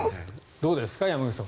どうですか、山口さん